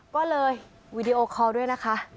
ก็เลยวีดีโอคอลด้วยนะคะ